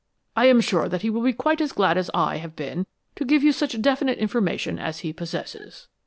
I am sure that he will be quite as glad as I have been to give you such definite information as he possesses."